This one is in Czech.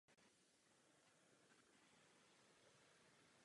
Velmi by mě zajímalo, kdo povolil vnášení zbraní do sněmovny.